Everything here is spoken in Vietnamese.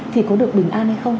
thì có được bình an hay không